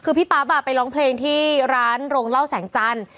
คือพี่ปั๊บไปร้องเพลงที่ร้านโรงเล่าแสงจันทร์